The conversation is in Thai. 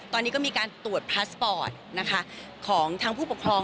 ตอนนี้ก็มีการตรวจพาสปอร์ตนะคะของทางผู้ปกครอง